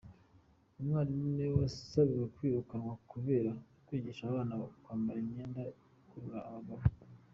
Uyu mwarimu niwe wasabiwe kwirukanwa kubera kwigisha abana kwambara imyenda ikurura abagabo.